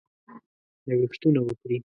لګښتونه وکړي.